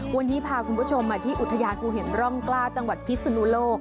วันนี้พาคุณผู้ชมมาที่อุทยานภูหินร่องกล้าจังหวัดพิศนุโลก